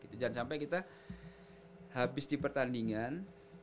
jangan sampai kita habis di pertandingan